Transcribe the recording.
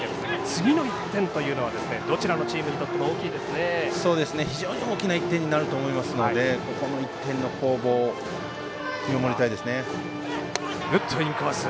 次の１点というのはどちらのチームにとっても非常に大きな１点になると思いますのでここの１点の攻防見守りたいですね。